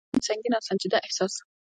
د ده دروند، سنګین او سنجیده احساس.